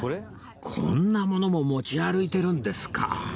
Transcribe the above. こんなものも持ち歩いてるんですか